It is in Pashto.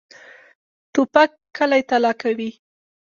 توپک کلی تالا کوي.